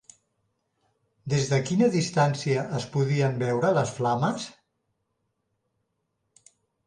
Des de quina distància es podien veure les flames?